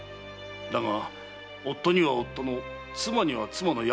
だが夫には夫の妻には妻の役割がある。